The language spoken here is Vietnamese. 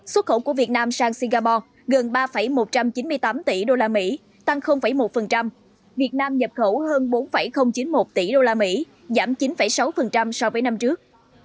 xuất khẩu của việt nam sang singapore gần ba một trăm chín mươi tám tỷ usd tăng một việt nam nhập khẩu hơn bốn chín mươi một tỷ usd giảm chín sáu so với năm trước